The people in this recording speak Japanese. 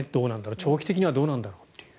長期的にはどうなんだろうっていう。